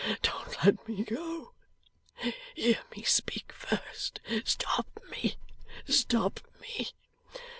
Don't let me go. Hear me speak first. Stop me stop me!